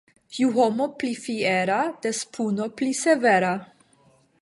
Ju homo pli fiera, des puno pli severa.